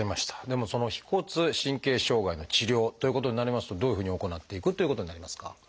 でもその腓骨神経障害の治療ということになりますとどういうふうに行っていくということになりますか？